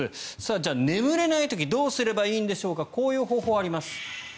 じゃあ、眠れない時どうすればいいんでしょうかこういう方法があります。